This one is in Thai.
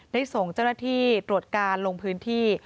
ได้ส่งเจ้าหน้าที่ตรวจการลงพื้นที่